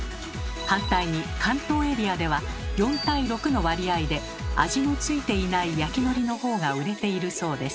反対に関東エリアでは４対６の割合で味の付いていない焼きのりのほうが売れているそうです。